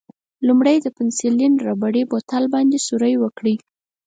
لومړی د پنسیلین ربړي بوتل باندې سوری وکړئ.